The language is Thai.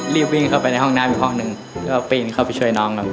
รีบวิ่งเข้าไปในห้องน้ำอีกห้องหนึ่งแล้วก็ปีนเข้าไปช่วยน้องครับ